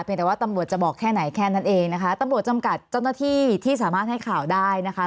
เป็นแต่ว่าตำรวจจะบอกแค่ไหนแค่นั้นเองนะคะตำรวจจำกัดเจ้าหน้าที่ที่สามารถให้ข่าวได้นะคะ